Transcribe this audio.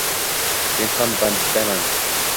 Men ham bandaman.